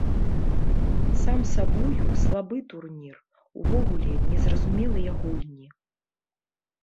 Сам сабою слабы турнір, увогуле не зразумелыя гульні.